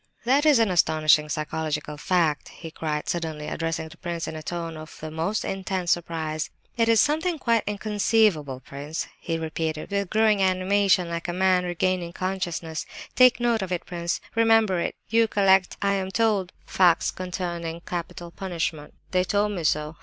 "That is an astonishing psychological fact," he cried, suddenly addressing the prince, in a tone of the most intense surprise. "It is... it is something quite inconceivable, prince," he repeated with growing animation, like a man regaining consciousness. "Take note of it, prince, remember it; you collect, I am told, facts concerning capital punishment... They told me so.